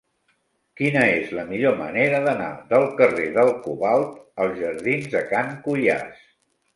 Quina és la millor manera d'anar del carrer del Cobalt als jardins de Can Cuiàs?